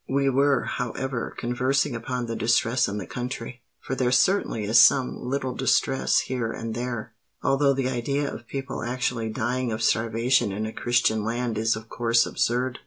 We were, however, conversing upon the distress in the country—for there certainly is some little distress here and there; although the idea of people actually dying of starvation in a Christian land is of course absurd.